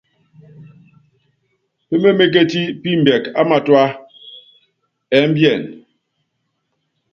Pémémékéti pimbɛk á matua ɛ́mbiɛ́n.